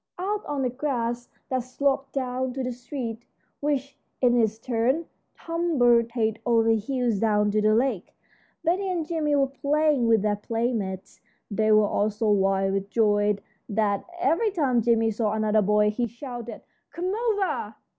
Out on the grass that sloped down to the street, which, in its turn, tumbled head over heels down to the lake, Betty and Jimmie were playing with their playmates. They were all so wild with joy that every time Jimmie saw another boy he shouted, "Come over!"